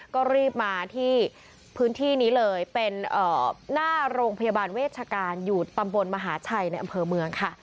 ก็รีบมาที่พื้นที่นี้เลยเป็นหน้าโรงพยาบาลเวชการอยู่ตำบลมหาชัยในอำเภอเมืองค่ะ